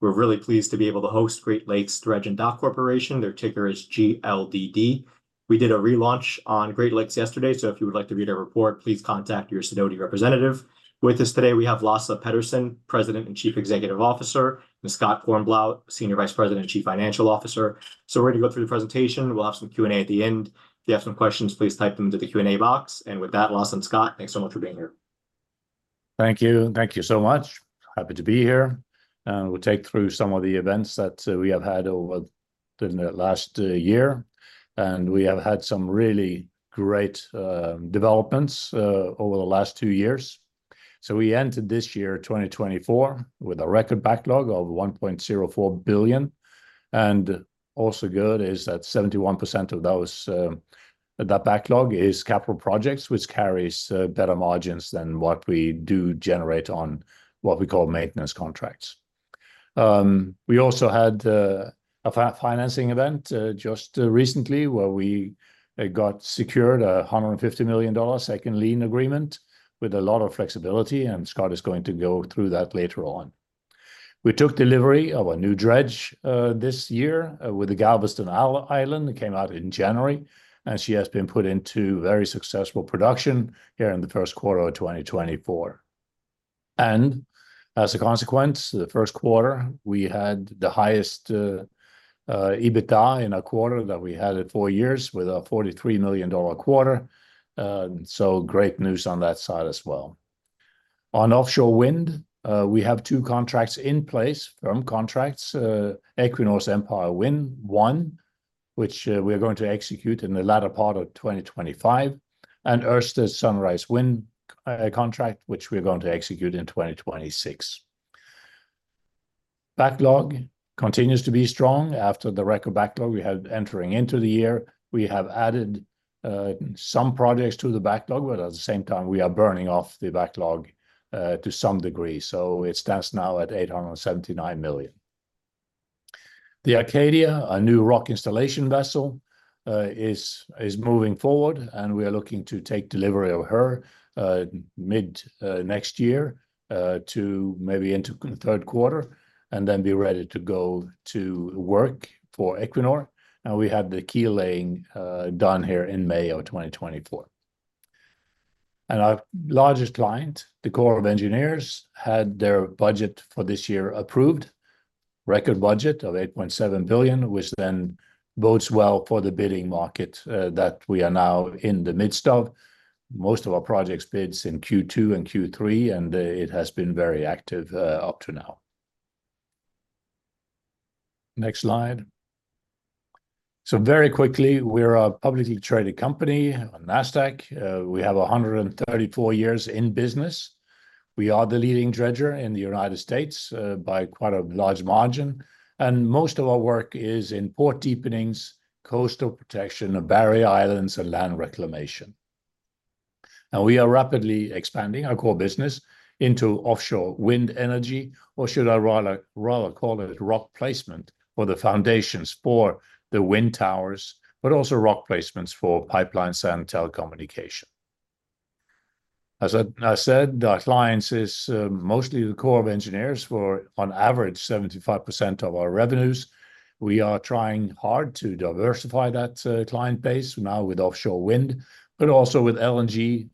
We're really pleased to be able to host Great Lakes Dredge & Dock Corporation. Their ticker is GLDD. We did a relaunch on Great Lakes yesterday, so if you would like to read our report, please contact your Sidoti representative. With us today, we have Lasse Petterson, President and Chief Executive Officer, and Scott Kornblau, Senior Vice President and Chief Financial Officer. So we're going to go through the presentation. We'll have some Q&A at the end. If you have some questions, please type them into the Q&A box. With that, Lasse and Scott, thanks so much for being here. Thank you. Thank you so much. Happy to be here. We'll take through some of the events that we have had over the last year. We have had some really great developments over the last two years. We entered this year, 2024, with a record backlog of $1.04 billion. Also good is that 71% of that backlog is capital projects, which carries better margins than what we do generate on what we call maintenance contracts. We also had a financing event just recently where we got secured a $150 million second lien agreement with a lot of flexibility. Scott is going to go through that later on. We took delivery of a new dredge this year with the Galveston Island. It came out in January, and she has been put into very successful production here in the first quarter of 2024. As a consequence, the first quarter, we had the highest EBITDA in a quarter that we had in four years with a $43 million quarter. Great news on that side as well. On offshore wind, we have two contracts in place, firm contracts, Empire Wind 1, which we are going to execute in the latter part of 2025, and Ørsted Sunrise Wind contract, which we're going to execute in 2026. Backlog continues to be strong. After the record backlog we had entering into the year, we have added some projects to the backlog, but at the same time, we are burning off the backlog to some degree. So it stands now at $879 million. The Acadia, a new rock installation vessel, is moving forward, and we are looking to take delivery of her mid-next year to maybe into the third quarter and then be ready to go to work for Equinor. We had the keel laying done here in May of 2024. Our largest client, the Corps of Engineers, had their budget for this year approved, record budget of $8.7 billion, which then bodes well for the bidding market that we are now in the midst of. Most of our projects bid in Q2 and Q3, and it has been very active up to now. Next slide. Very quickly, we're a publicly traded company on Nasdaq. We have 134 years in business. We are the leading dredger in the United States by quite a large margin. Most of our work is in port deepenings, coastal protection, barrier islands, and land reclamation. We are rapidly expanding our core business into offshore wind energy, or should I rather call it rock placement for the foundations for the wind towers, but also rock placements for pipelines and telecommunication. As I said, our clients are mostly the Corps of Engineers for, on average, 75% of our revenues. We are trying hard to diversify that client base now with offshore wind, but also with LNG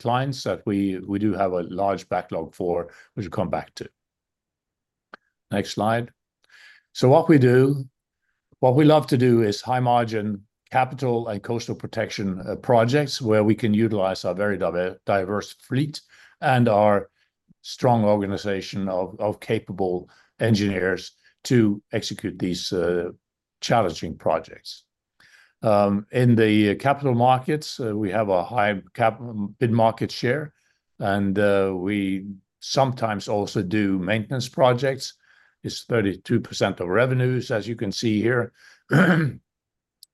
clients that we do have a large backlog for, which we'll come back to. Next slide. What we do, what we love to do is high margin capital and coastal protection projects where we can utilize our very diverse fleet and our strong organization of capable engineers to execute these challenging projects. In the capital projects market, we have a high bid market share, and we sometimes also do maintenance projects. It's 32% of revenues, as you can see here.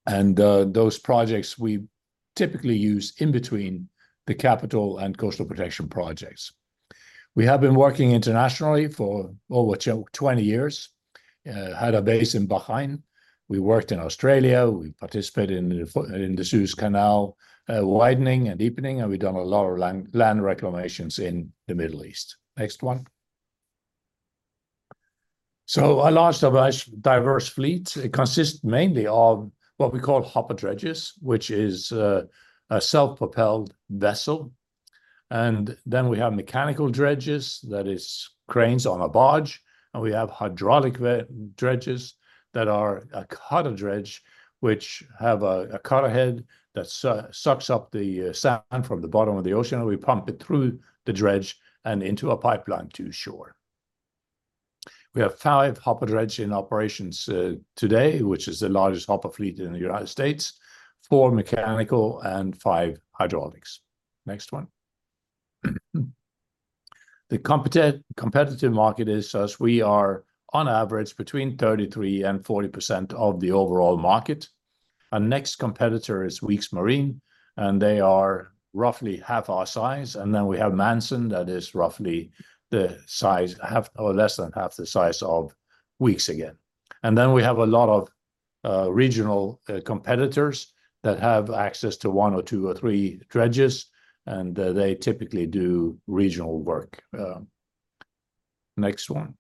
Those projects we typically use in between the capital and coastal protection projects. We have been working internationally for over 20 years. Had our base in Bahrain. We worked in Australia. We participated in the Suez Canal widening and deepening, and we've done a lot of land reclamations in the Middle East. Next one. Our large diverse fleet consists mainly of what we call hopper dredges, which is a self-propelled vessel. Then we have mechanical dredges that are cranes on a barge. We have hydraulic dredges that are a cutter dredge, which have a cutter head that sucks up the sand from the bottom of the ocean, and we pump it through the dredge and into a pipeline to shore. We have five hopper dredges in operations today, which is the largest hopper fleet in the United States, four mechanical and five hydraulics. Next one. The competitive market is us. We are on average between 33% and 40% of the overall market. Our next competitor is Weeks Marine, and they are roughly half our size. And then we have Manson that is roughly the size, half or less than half the size of Weeks again. And then we have a lot of regional competitors that have access to one or two or three dredges, and they typically do regional work. Next one.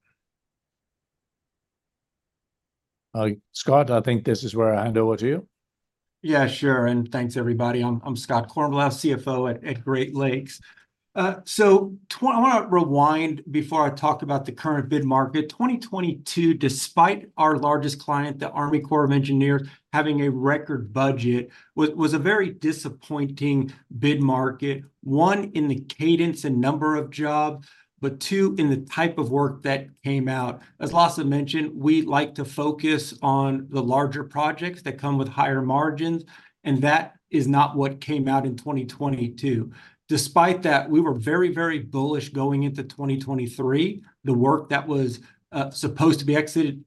Scott, I think this is where I hand over to you. Yeah, sure. And thanks, everybody. I'm Scott Kornblau, CFO at Great Lakes. So I want to rewind before I talk about the current bid market. 2022, despite our largest client, the Army Corps of Engineers, having a record budget, was a very disappointing bid market, one in the cadence and number of jobs, but two in the type of work that came out. As Lasse mentioned, we like to focus on the larger projects that come with higher margins, and that is not what came out in 2022. Despite that, we were very, very bullish going into 2023. The work that was supposed to be executed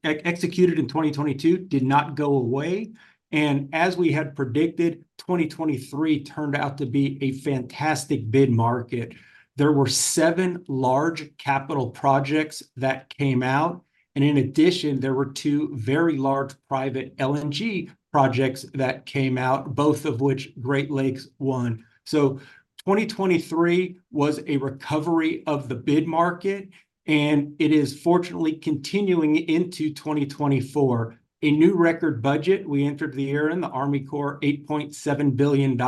in 2022 did not go away. And as we had predicted, 2023 turned out to be a fantastic bid market. There were seven large capital projects that came out. In addition, there were two very large private LNG projects that came out, both of which Great Lakes won. 2023 was a recovery of the bid market, and it is fortunately continuing into 2024. A new record budget. We entered the year in the Army Corps, $8.7 billion,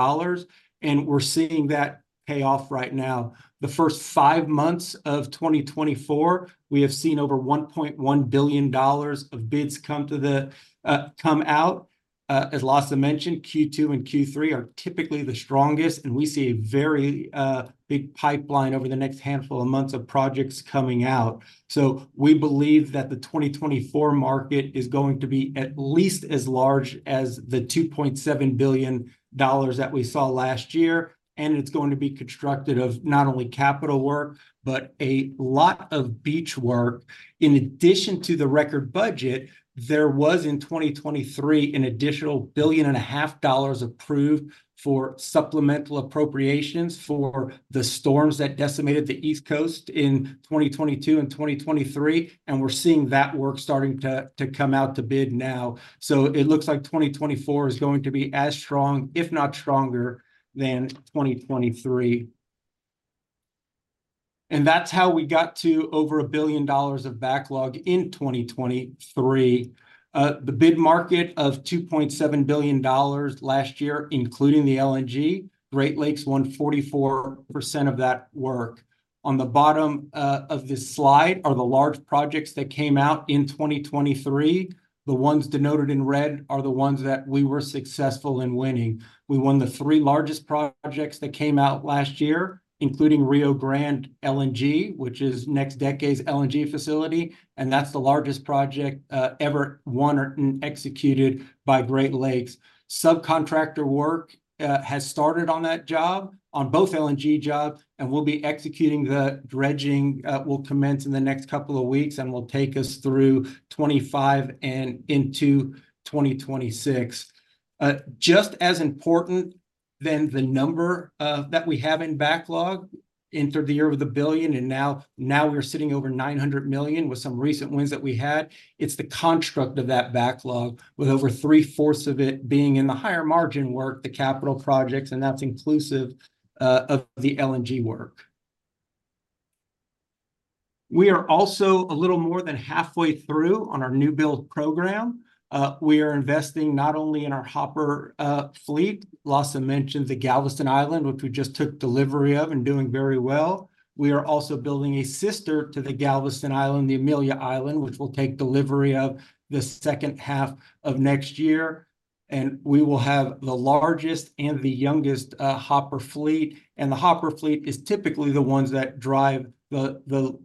and we're seeing that pay off right now. The first five months of 2024, we have seen over $1.1 billion of bids come out. As Lasse mentioned, Q2 and Q3 are typically the strongest, and we see a very big pipeline over the next handful of months of projects coming out. We believe that the 2024 market is going to be at least as large as the $2.7 billion that we saw last year, and it's going to be constructed of not only capital work, but a lot of beach work. In addition to the record budget, there was in 2023 an additional $1.5 billion approved for supplemental appropriations for the storms that decimated the East Coast in 2022 and 2023. We're seeing that work starting to come out to bid now. It looks like 2024 is going to be as strong, if not stronger, than 2023. That's how we got to over $1 billion of backlog in 2023. The bid market of $2.7 billion last year, including the LNG, Great Lakes won 44% of that work. On the bottom of this slide are the large projects that came out in 2023. The ones denoted in red are the ones that we were successful in winning. We won the three largest projects that came out last year, including Rio Grande LNG, which is NextDecade's LNG facility. That's the largest project ever won or executed by Great Lakes. Subcontractor work has started on that job, on both LNG jobs, and we'll be executing the dredging. We'll commence in the next couple of weeks, and we'll take us through 2025 and into 2026. Just as important than the number that we have in backlog, entered the year with $1 billion, and now we're sitting over $900 million with some recent wins that we had. It's the construct of that backlog, with over 3/4 of it being in the higher margin work, the capital projects, and that's inclusive of the LNG work. We are also a little more than halfway through on our new build program. We are investing not only in our hopper fleet. Lasse mentioned the Galveston Island, which we just took delivery of and doing very well. We are also building a sister to the Galveston Island, the Amelia Island, which we'll take delivery of the second half of next year. We will have the largest and the youngest hopper fleet. The hopper fleet is typically the ones that drive the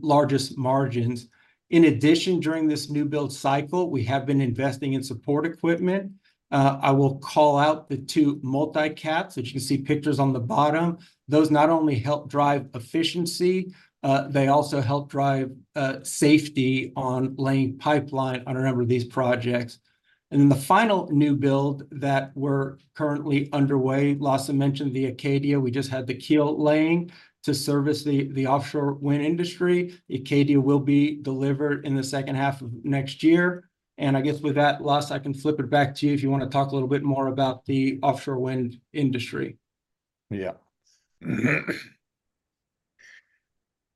largest margins. In addition, during this new build cycle, we have been investing in support equipment. I will call out the two Multi-Cats, which you can see pictures on the bottom. Those not only help drive efficiency, they also help drive safety on laying pipeline on a number of these projects. Then the final new build that we're currently underway, Lasse mentioned the Acadia. We just had the keel laying to service the offshore wind industry. The Acadia will be delivered in the second half of next year. I guess with that, Lasse, I can flip it back to you if you want to talk a little bit more about the offshore wind industry. Yeah.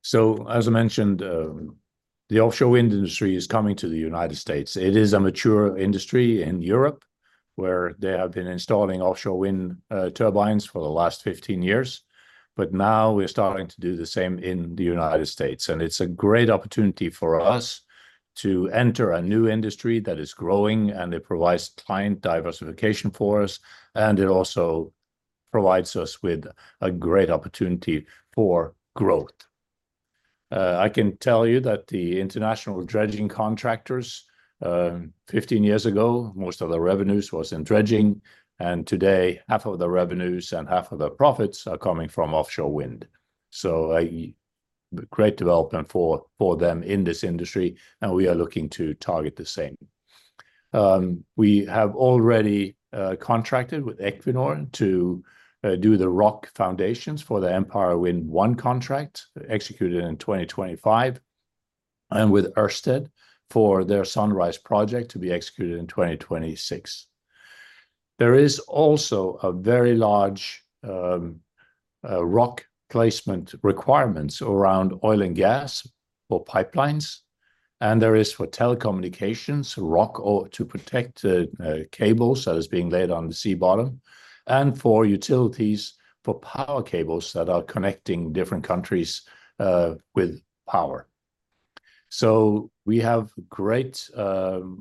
So as I mentioned, the offshore wind industry is coming to the United States. It is a mature industry in Europe where they have been installing offshore wind turbines for the last 15 years. But now we're starting to do the same in the United States. And it's a great opportunity for us to enter a new industry that is growing, and it provides client diversification for us, and it also provides us with a great opportunity for growth. I can tell you that the international dredging contractors, 15 years ago, most of the revenues was in dredging. And today, half of the revenues and half of the profits are coming from offshore wind. So a great development for them in this industry, and we are looking to target the same. We have already contracted with Equinor to do the rock foundations for the Empire Wind 1 contract executed in 2025, and with Ørsted for their Sunrise project to be executed in 2026. There is also a very large rock placement requirements around oil and gas for pipelines. And there is for telecommunications, rock to protect cables that are being laid on the sea bottom, and for utilities for power cables that are connecting different countries with power. So we have great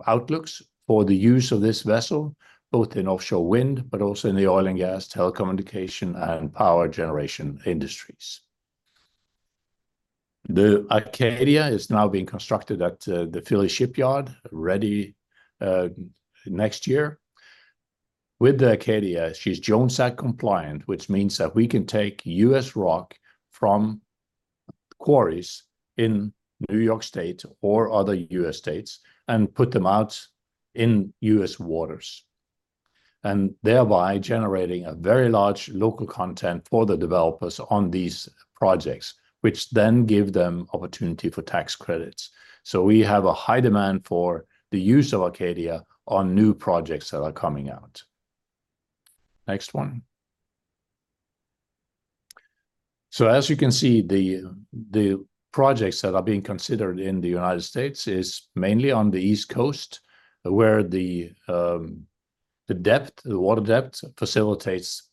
outlooks for the use of this vessel, both in offshore wind, but also in the oil and gas, telecommunication, and power generation industries. The Acadia is now being constructed at the Philly Shipyard, ready next year. With the Acadia, she's Jones Act compliant, which means that we can take U.S. rock from quarries in New York State or other U.S. states and put them out in U.S. waters, and thereby generating a very large local content for the developers on these projects, which then gives them opportunity for tax credits. So we have a high demand for the use of Acadia on new projects that are coming out. Next one. So as you can see, the projects that are being considered in the United States are mainly on the East Coast, where the depth, the water depth facilitates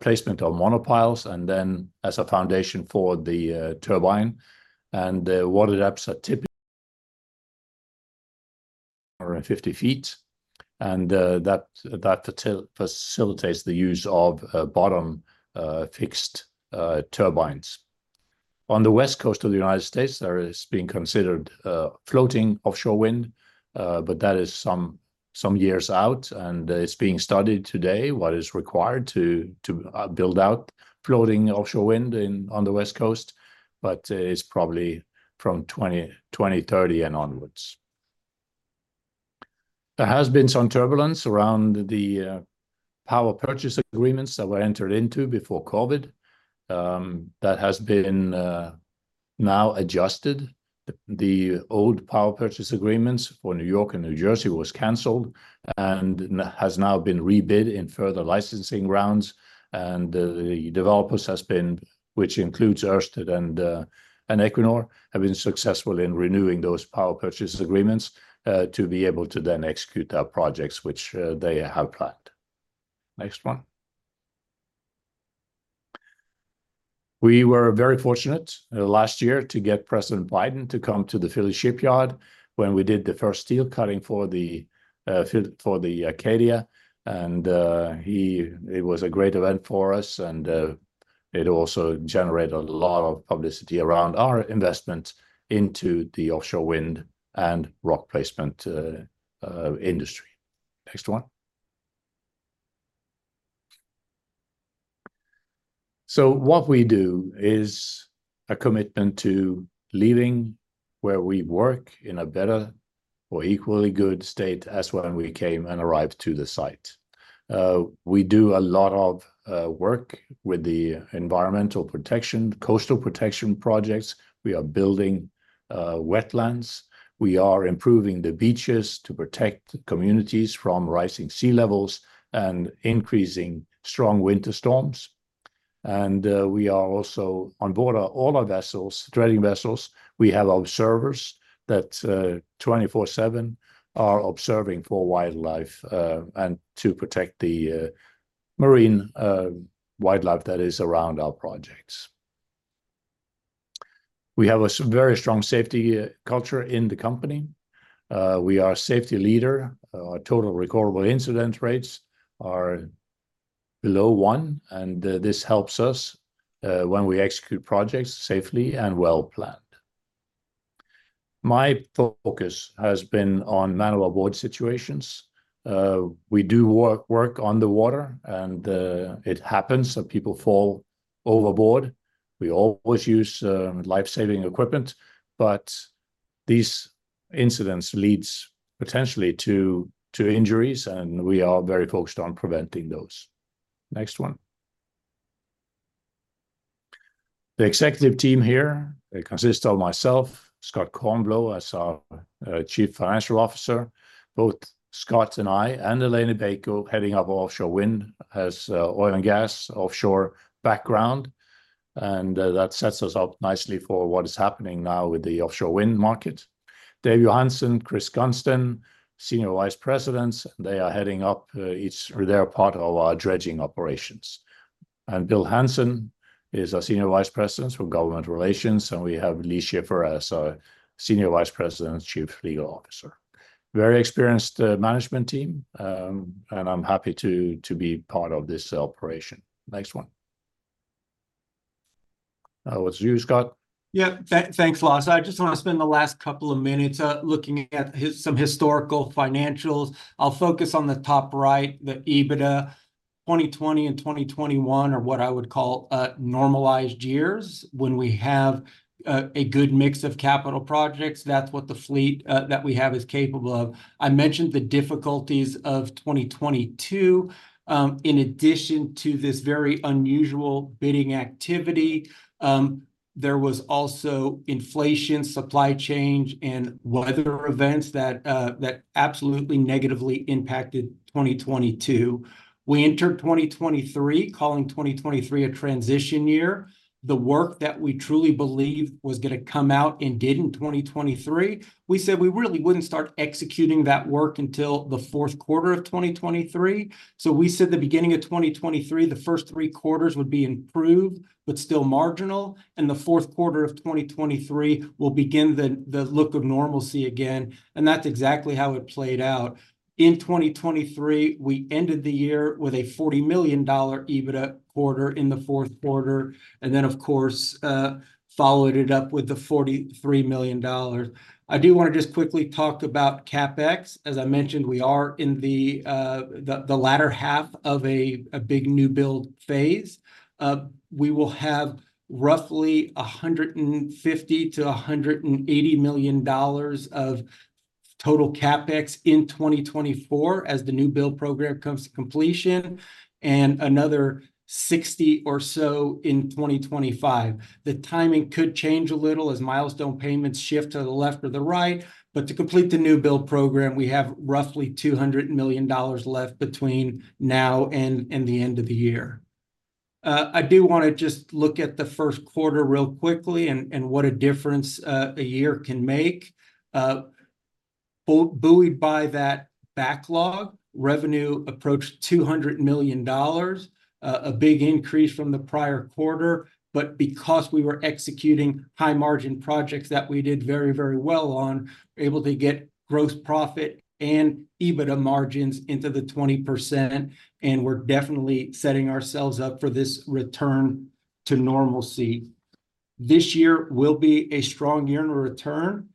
placement of monopiles and then as a foundation for the turbine. The water depths are typically around 50 feet, and that facilitates the use of bottom-fixed turbines. On the West Coast of the United States, there is being considered floating offshore wind, but that is some years out, and it's being studied today what is required to build out floating offshore wind on the West Coast, but it's probably from 2030 and onwards. There has been some turbulence around the power purchase agreements that were entered into before COVID. That has been now adjusted. The old power purchase agreements for New York and New Jersey were canceled and have now been rebid in further licensing rounds. The developers have been, which includes Ørsted and Equinor, have been successful in renewing those power purchase agreements to be able to then execute their projects, which they have planned. Next one. We were very fortunate last year to get President Biden to come to the Philly Shipyard when we did the first steel cutting for the Acadia. And it was a great event for us, and it also generated a lot of publicity around our investment into the offshore wind and rock placement industry. Next one. So what we do is a commitment to leaving where we work in a better or equally good state as when we came and arrived to the site. We do a lot of work with the environmental protection, coastal protection projects. We are building wetlands. We are improving the beaches to protect communities from rising sea levels and increasing strong winter storms. And we are also on board all our vessels, dredging vessels. We have observers that 24/7 are observing for wildlife and to protect the marine wildlife that is around our projects. We have a very strong safety culture in the company. We are a safety leader. Our total recordable incident rates are below one, and this helps us when we execute projects safely and well planned. My focus has been on man-overboard situations. We do work on the water, and it happens that people fall overboard. We always use lifesaving equipment, but these incidents lead potentially to injuries, and we are very focused on preventing those. Next one. The executive team here consists of myself, Scott Kornblau as our Chief Financial Officer. Both Scott and I and Eleni Beyko, heading up offshore wind as oil and gas offshore background. That sets us up nicely for what is happening now with the offshore wind market. Dave Johanson, Chris Gunsten, Senior Vice Presidents, they are heading up each their part of our dredging operations. Bill Hanson is our Senior Vice President for Government Relations, and we have Lee Schiffer as our Senior Vice President, Chief Legal Officer. Very experienced management team, and I'm happy to be part of this operation. Next one. What's yours, Scott? Yeah, thanks, Lasse. I just want to spend the last couple of minutes looking at some historical financials. I'll focus on the top right, the EBITDA. 2020 and 2021 are what I would call normalized years. When we have a good mix of capital projects, that's what the fleet that we have is capable of. I mentioned the difficulties of 2022. In addition to this very unusual bidding activity, there was also inflation, supply chain, and weather events that absolutely negatively impacted 2022. We entered 2023, calling 2023 a transition year. The work that we truly believed was going to come out and did in 2023, we said we really wouldn't start executing that work until the fourth quarter of 2023. So we said the beginning of 2023, the first three quarters would be improved, but still marginal. The fourth quarter of 2023 will begin the look of normalcy again. That's exactly how it played out. In 2023, we ended the year with a $40 million EBITDA quarter in the fourth quarter. Then, of course, followed it up with the $43 million. I do want to just quickly talk about CapEx. As I mentioned, we are in the latter half of a big new build phase. We will have roughly $150 million-$180 million of total CapEx in 2024 as the new build program comes to completion, and another 60 or so in 2025. The timing could change a little as milestone payments shift to the left or the right. But to complete the new build program, we have roughly $200 million left between now and the end of the year. I do want to just look at the first quarter real quickly and what a difference a year can make. Buoyed by that backlog, revenue approached $200 million, a big increase from the prior quarter. But because we were executing high-margin projects that we did very, very well on, we were able to get gross profit and EBITDA margins into the 20%. And we're definitely setting ourselves up for this return to normalcy. This year will be a strong year in return.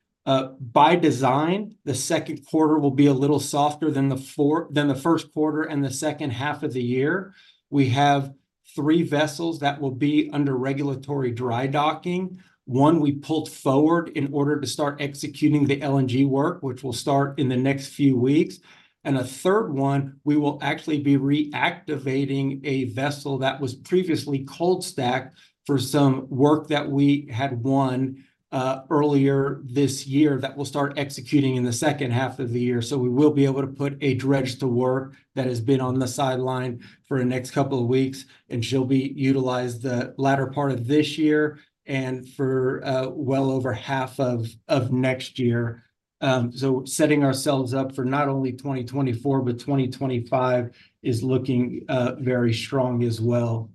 By design, the second quarter will be a little softer than the first quarter and the second half of the year. We have three vessels that will be under regulatory dry docking. One we pulled forward in order to start executing the LNG work, which will start in the next few weeks. A third one, we will actually be reactivating a vessel that was previously cold stacked for some work that we had won earlier this year that we'll start executing in the second half of the year. We will be able to put a dredge to work that has been on the sideline for the next couple of weeks. She'll be utilized the latter part of this year and for well over half of next year. Setting ourselves up for not only 2024, but 2025 is looking very strong as well.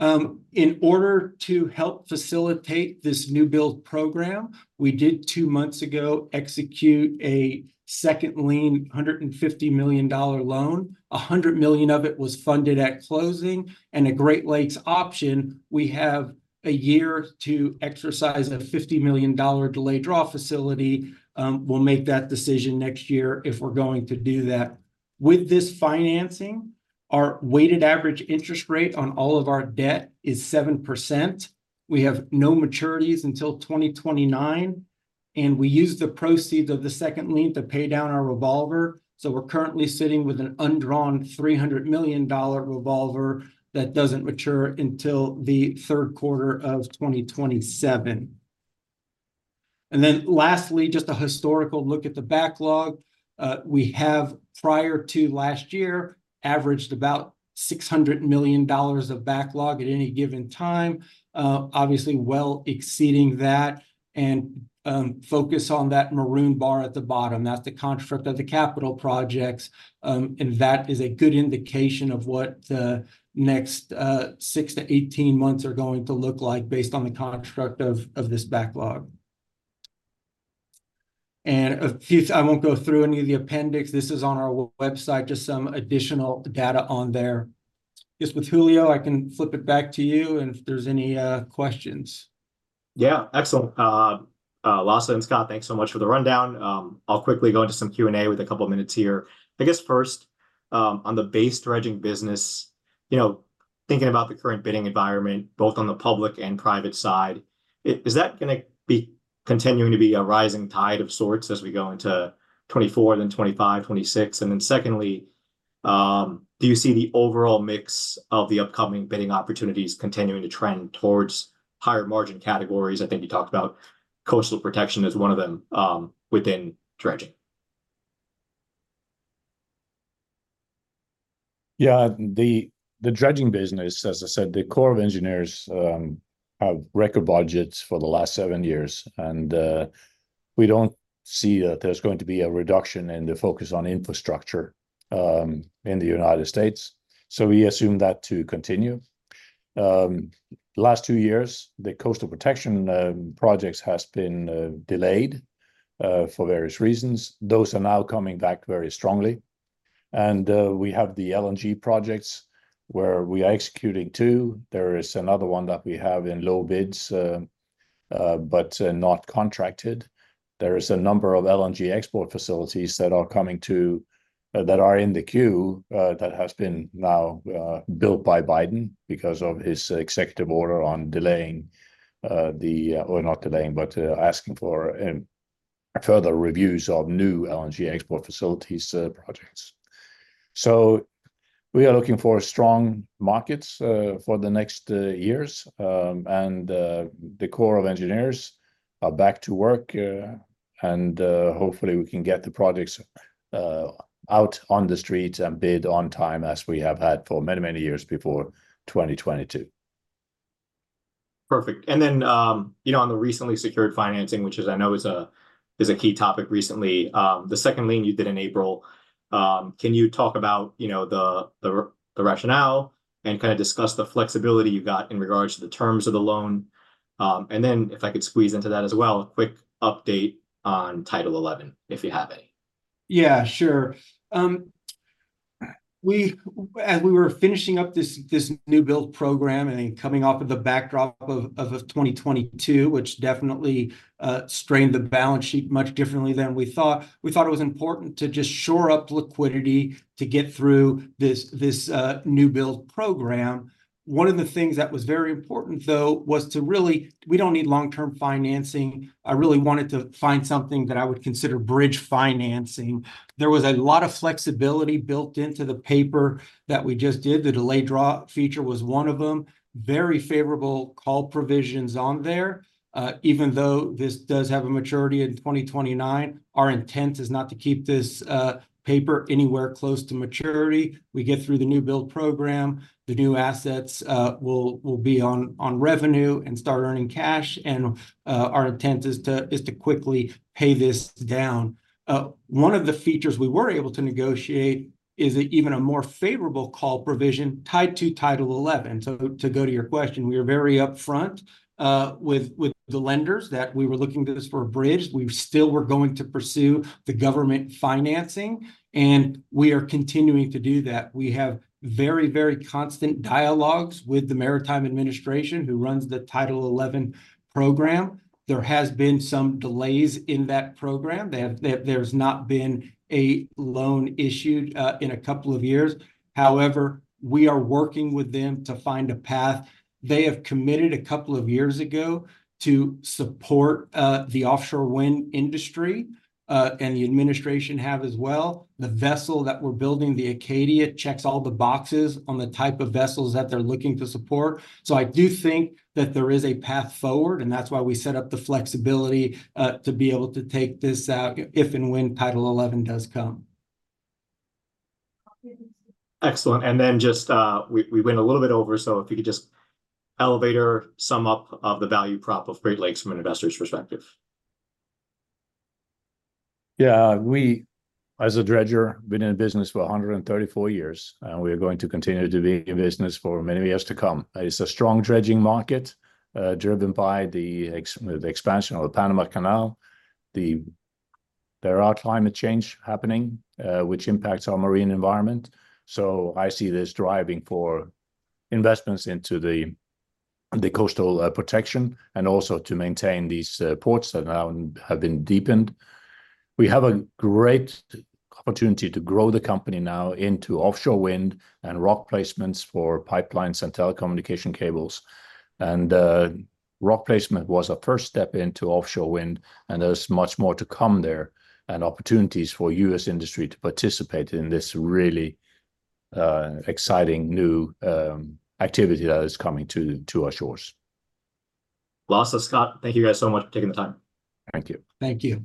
In order to help facilitate this new build program, we did two months ago execute a second lien, $150 million loan. $100 million of it was funded at closing. At Great Lakes' option, we have a year to exercise a $50 million delayed draw facility. We'll make that decision next year if we're going to do that. With this financing, our weighted average interest rate on all of our debt is 7%. We have no maturities until 2029. We use the proceeds of the second lien to pay down our revolver. So we're currently sitting with an undrawn $300 million revolver that doesn't mature until the third quarter of 2027. Then lastly, just a historical look at the backlog. We have, prior to last year, averaged about $600 million of backlog at any given time, obviously well exceeding that. Focus on that maroon bar at the bottom. That's the construct of the capital projects. That is a good indication of what the next six-18 months are going to look like based on the construct of this backlog. I won't go through any of the appendix. This is on our website, just some additional data on there. Just with Julio, I can flip it back to you if there's any questions. Yeah, excellent. Lasse and Scott, thanks so much for the rundown. I'll quickly go into some Q&A with a couple of minutes here. I guess first, on the base dredging business, thinking about the current bidding environment, both on the public and private side, is that going to be continuing to be a rising tide of sorts as we go into 2024, then 2025, 2026? And then secondly, do you see the overall mix of the upcoming bidding opportunities continuing to trend towards higher margin categories? I think you talked about coastal protection as one of them within dredging. Yeah, the dredging business, as I said, the Corps of Engineers have record budgets for the last seven years. We don't see that there's going to be a reduction in the focus on infrastructure in the United States. We assume that to continue. Last two years, the coastal protection projects have been delayed for various reasons. Those are now coming back very strongly. We have the LNG projects where we are executing two. There is another one that we have in low bids, but not contracted. There is a number of LNG export facilities that are coming to that are in the queue that have been now built by Biden because of his executive order on delaying the, or not delaying, but asking for further reviews of new LNG export facilities projects. We are looking for strong markets for the next years. The Corps of Engineers are back to work. Hopefully, we can get the projects out on the streets and bid on time as we have had for many, many years before 2022. Perfect. And then on the recently secured financing, which I know is a key topic recently, the second lien you did in April, can you talk about the rationale and kind of discuss the flexibility you got in regards to the terms of the loan? And then if I could squeeze into that as well, a quick update on Title XI, if you have any. Yeah, sure. As we were finishing up this new build program and coming off of the backdrop of 2022, which definitely strained the balance sheet much differently than we thought, we thought it was important to just shore up liquidity to get through this new build program. One of the things that was very important, though, was, really, we don't need long-term financing. I really wanted to find something that I would consider bridge financing. There was a lot of flexibility built into the paper that we just did. The delayed draw feature was one of them. Very favorable call provisions on there. Even though this does have a maturity in 2029, our intent is not to keep this paper anywhere close to maturity. We get through the new build program. The new assets will be on revenue and start earning cash. Our intent is to quickly pay this down. One of the features we were able to negotiate is even a more favorable call provision tied to Title XI. So to go to your question, we are very upfront with the lenders that we were looking for a bridge. We still were going to pursue the government financing. We are continuing to do that. We have very, very constant dialogues with the Maritime Administration who runs the Title XI program. There has been some delays in that program. There has not been a loan issued in a couple of years. However, we are working with them to find a path. They have committed a couple of years ago to support the offshore wind industry. The administration have as well. The vessel that we're building, the Acadia, checks all the boxes on the type of vessels that they're looking to support. I do think that there is a path forward. That's why we set up the flexibility to be able to take this out if and when Title XI does come. Excellent. And then just we went a little bit over. So if you could just elevator sum up of the value prop of Great Lakes from an investor's perspective. Yeah, we, as a dredger, have been in business for 134 years. We are going to continue to be in business for many years to come. It's a strong dredging market driven by the expansion of the Panama Canal. There are climate change happening, which impacts our marine environment. So I see this driving for investments into the coastal protection and also to maintain these ports that have been deepened. We have a great opportunity to grow the company now into offshore wind and rock placements for pipelines and telecommunication cables. Rock placement was a first step into offshore wind. There's much more to come there and opportunities for U.S. industry to participate in this really exciting new activity that is coming to our shores. Lasse, Scott, thank you guys so much for taking the time. Thank you. Thank you.